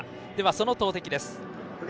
その投てきです。